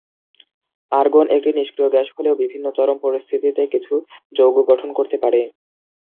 Argon একটি নিষ্ক্রিয় gas হলেও বিভিন্ন চরম পরিস্থিতিতে কিছু যৌগ গঠন করতে পারে।